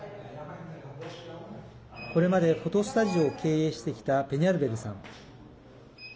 これまでフォトスタジオを経営してきたペニャルベルさん。